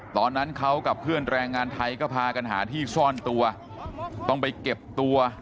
ตอนนั้นเขากับเพื่อนแรงงานไทยก็พากันหาที่ซ่อนตัวต้องไปเก็บตัว